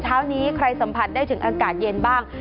เช้านี้ใครสัมผัสได้ถึงอากาศเย็นบ้าง